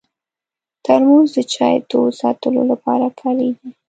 ترموز د چای تود ساتلو لپاره کارېږي.